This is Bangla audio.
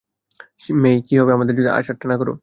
মেই, কী হবে যদি আচারটা না করো?